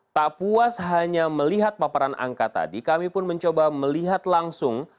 tak puas hanya melihat paparan angka tadi kami pun mencoba melihat langsung